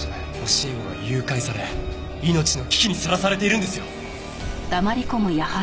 教え子が誘拐され命の危機にさらされているんですよ！